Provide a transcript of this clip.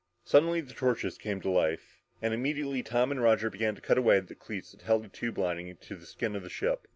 Suddenly the torches came to life. And immediately Tom and Roger began to cut away at the cleats that held the tube lining to the skin of the ship.